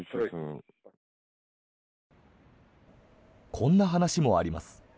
こんな話もあります。